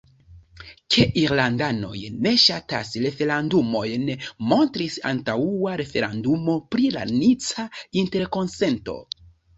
Ke irlandanoj ne ŝatas referendumojn, montris antaŭa referendumo pri la nica interkonsento.